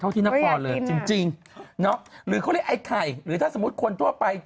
เท่าที่นักฟอร์เลยจริงหรือเขาเรียกไอ้ไข่หรือถ้าสมมุติคนทั่วไป